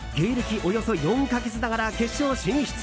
およそ４か月ながら決勝進出。